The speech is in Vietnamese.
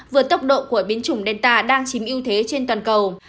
vượt tốc độ của biến chủng delta đang chiếm ưu thế trên toàn cầu